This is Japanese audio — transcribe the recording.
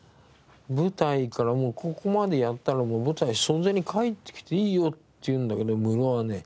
舞台からここまでやったら舞台袖に帰ってきていいよっていうんだけどムロはね